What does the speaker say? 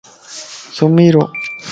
سُمي رَ وَ